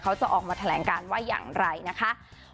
เขาจะออกมาแถลงการว่าอย่างไรนะคะ